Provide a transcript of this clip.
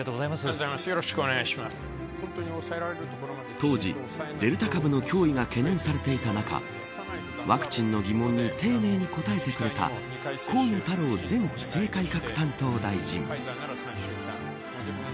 当時、デルタ株の脅威が懸念されていた中ワクチンの疑問に丁寧に答えてくれた河野太郎前規制改革担当大臣。